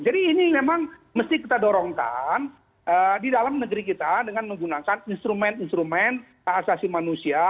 jadi ini memang mesti kita dorongkan di dalam negeri kita dengan menggunakan instrumen instrumen asasi manusia